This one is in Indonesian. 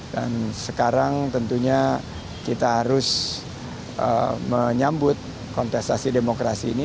dan sekarang tentunya kita harus menyambut kontestasi demokrasi ini